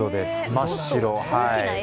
真っ白。